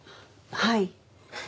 はい。